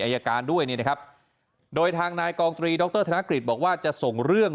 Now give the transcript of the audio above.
อายการด้วยเนี่ยนะครับโดยทางนายกองตรีดรธนกฤษบอกว่าจะส่งเรื่อง